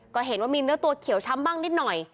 ก็เห็นว่ามีเนื้อตัวเขียวช้ำบ้างนิดหน่อย